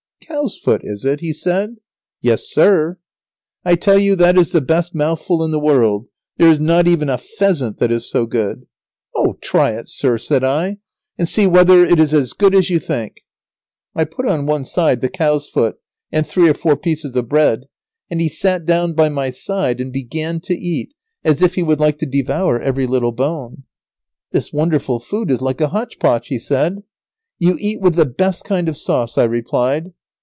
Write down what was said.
"Cow's foot, is it?" he said. "Yes, sir!" "I tell you that is the best mouthful in the world, there is not even a pheasant that is so good." "Try it, sir!" said I, "and see whether it is as good as you think." [Sidenote: Lazaro generously provides his master with a supper.] I put on one side the cow's foot and three or four pieces of bread, and he sat down by my side, and began to eat as if he would like to devour every little bone. "This wonderful food is like a hotch potch," he said. "You eat with the best kind of sauce," I replied.